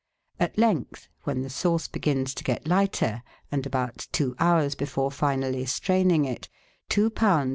At length, when the sauce begins to get lighter, and about two hours before finally straining it, two lbs.